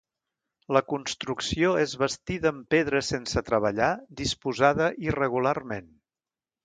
La construcció és bastida en pedra sense treballar disposada irregularment.